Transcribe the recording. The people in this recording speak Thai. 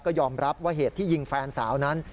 ก็ยอมรับว่าเหตุที่ยิงแฟนสาวนั้น